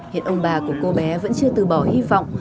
hiện ông bà của cô bé vẫn chưa từ bỏ hy vọng